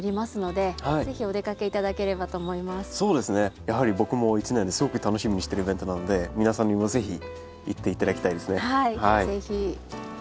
やはり僕も一年ですごく楽しみにしてるイベントなので皆さんにも是非行って頂きたいですね。